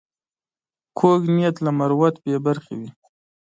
کوږ نیت له مروت بې برخې وي